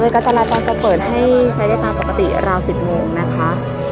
ก็จะเปิดให้ใช้ได้ตามปกติราวสิบโมงนะคะ